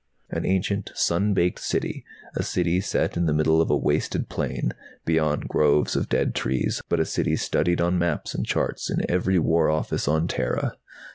An ancient, sun baked City, a City set in the middle of a wasted plain, beyond groves of dead trees, a City seldom seen by Terrans but a City studied on maps and charts in every War Office on Terra.